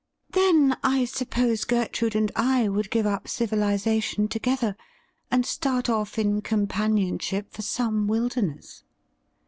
' Then I suppose Gertrude and I Avould give up civiliza tion together, and start off in companionship for some wilderness.'